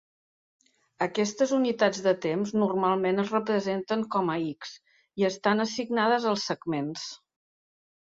Aquestes unitats de temps normalment es representen com a X, i estan assignades als segments.